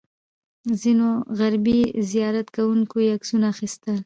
ځینو غربي زیارت کوونکو یې عکسونه اخیستل.